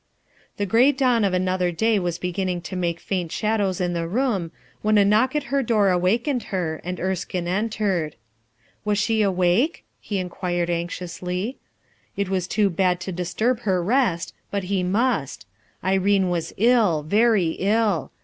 The gray dawn of another day was beginning to make faint shadows in the room, when a knock at her door awakened her, and Ersklne entered. 334 RUTH ERSKINE'S SON Was she awake? he inquired anxiously was too bad to disturb her rest, but he m Irene was ill, very ill.